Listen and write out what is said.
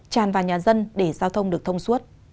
tràn vào nhà dân để giao thông được thông suốt